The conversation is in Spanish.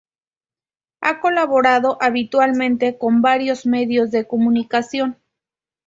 Ha colaborado habitualmente con varios medios de comunicación.